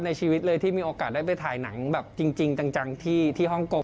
ชีวิตเลยที่มีโอกาสได้ไปถ่ายหนังแบบจริงจังที่ฮ่องกง